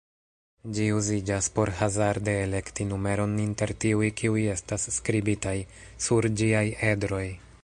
Ĝi uziĝas por hazarde elekti numeron inter tiuj kiuj estas skribitaj sur ĝiaj edroj.